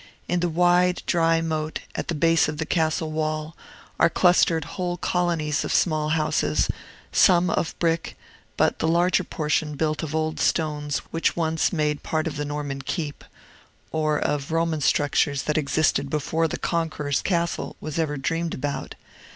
In the wide, dry moat, at the base of the castle wall, are clustered whole colonies of small houses, some of brick, but the larger portion built of old stones which once made part of the Norman keep, or of Roman structures that existed before the Conqueror's castle was ever dreamed about.